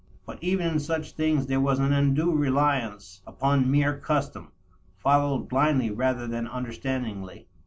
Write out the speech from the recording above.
But even in such things there was an undue reliance upon mere custom, followed blindly rather than understandingly.